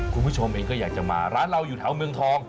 คุณผู้ชมเองก็อยากจะมาร้านเราอยู่แถวเมืองทอง